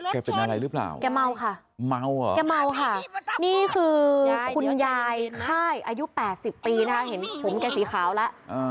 แกเป็นอะไรหรือเปล่าแกเมาค่ะนี่คือคุณยายค่ายอายุ๘๐ปีนะคะเห็นผมแกสีขาวแล้ว